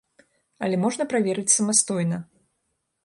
Але можна праверыць самастойна.